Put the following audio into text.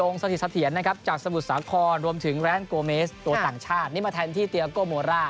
นี่มาแทนที่เตียกโกโมร่า